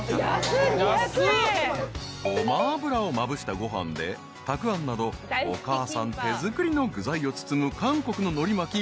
［ごま油をまぶしたご飯でたくあんなどお母さん手作りの具材を包む韓国ののり巻き。